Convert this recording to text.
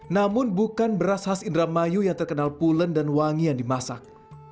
namun bukan beras khas indramayu yang terkenal pulen dan wangi yang dimasak